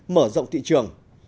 mở rộng thị trường